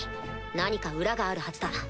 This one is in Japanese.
何か裏があるはずだ。